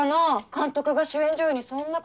監督が主演女優にそんなことして。